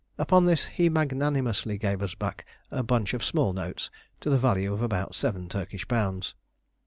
Upon this he magnanimously gave us back a bunch of small notes, to the value of about seven Turkish pounds.